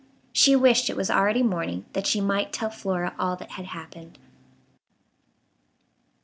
She wished it was already morning that she might tell Flora all that had happened.